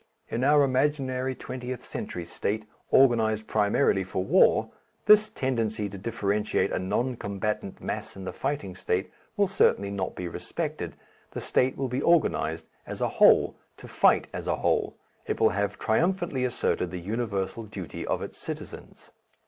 In our imaginary twentieth century State, organized primarily for war, this tendency to differentiate a non combatant mass in the fighting State will certainly not be respected, the State will be organized as a whole to fight as a whole, it will have triumphantly asserted the universal duty of its citizens.